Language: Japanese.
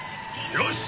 よし！